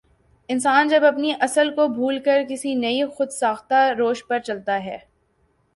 انسان جب اپنی اصل کو بھول کر کسی نئی خو د ساختہ روش پرچلتا ہے